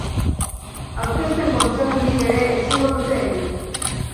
Aurkezpen kontzerturik ere ezingo dute egin.